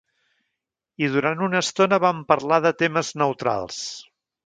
I durant una estona vam parlar de temes neutrals.